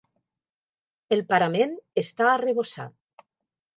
El parament està arrebossat.